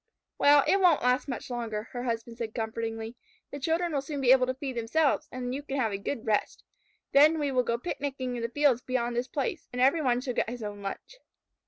"Well, it won't last much longer," her husband said comfortingly. "The children will soon be able to feed themselves, and you can have a good rest. Then we will go picnicking in the fields beyond this place, and every one shall get his own lunch."